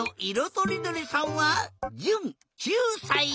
とりどりさんはじゅん９さい。